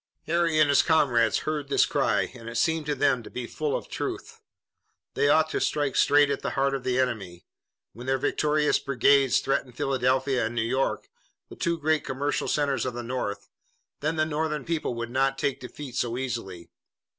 Harry and his comrades heard this cry, and it seemed to them to be full of truth. They ought to strike straight at the heart of the enemy. When their victorious brigades threatened Philadelphia and New York, the two great commercial centers of the North, then the Northern people would not take defeat so easily.